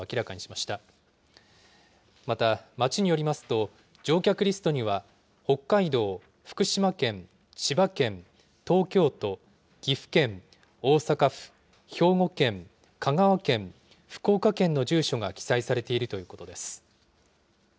また、町によりますと、乗客リストには、北海道、福島県、千葉県、東京都、岐阜県、大阪府、兵庫県、香川県、福岡県の住所が記載されているということです。